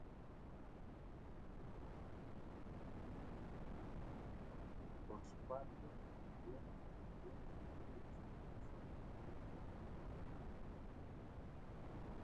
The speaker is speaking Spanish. Por su parte, el gobierno canadiense aún se rehúsa a comentar sobre el tema.